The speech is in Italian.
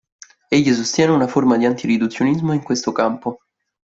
Egli sostiene una forma di anti-riduzionismo in questo campo.